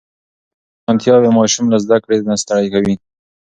په تعلیم کې اسانتيا وي، ماشوم له زده کړې نه ستړی کوي.